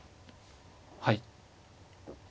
はい。